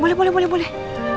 eh boleh boleh boleh